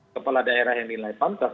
kepala daerah yang nilai pantas